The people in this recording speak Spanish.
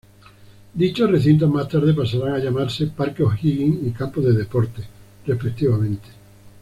Dichos recintos más tarde pasarán a llamarse Parque O'Higgins y Campo de Deportes, respectivamente.